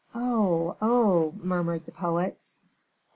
"Oh! oh!" murmured the poets.